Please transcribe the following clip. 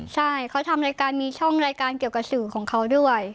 ใช่เขาทำรายการมีช่องรายการเกี่ยวกับสื่อของเขาด้วย